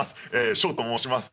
ショウと申します。